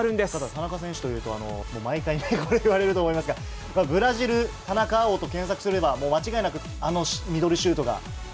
田中選手というと、毎回いろいろ言われていると思いますが、ブラジル、田中碧と検索すれば、もう間違いなくあのミドルシュートが。